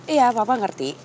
iya papa ngerti